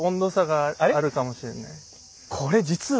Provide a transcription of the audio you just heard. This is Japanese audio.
これ実は。